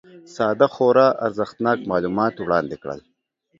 ساده خورا ارزښتناک معلومات وړاندي کړل